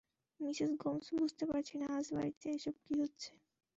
Mrs Gomes, বুঝতে পারছি না আজ বাড়িতে এসব কী হচ্ছে।